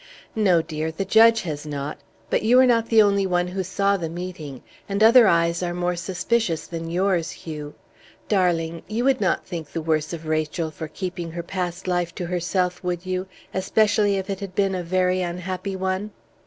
"No, dear, the judge has not; but you were not the only one who saw the meeting; and other eyes are more suspicious than yours, Hugh. Darling, you would not think the worse of Rachel for keeping her past life to herself, would you, especially if it had been a very unhappy one?"